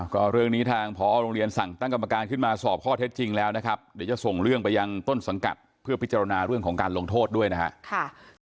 ก็เรื่องนี้ทางพอโรงเรียนสั่งตั้งกรรมการขึ้นมาสอบข้อเท็จจริงแล้วนะครับเดี๋ยวจะส่งเรื่องไปยังต้นสังกัดเพื่อพิจารณาเรื่องของการลงโทษด้วยนะครับ